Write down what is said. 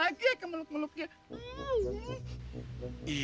kapan lagi yang meluk melukin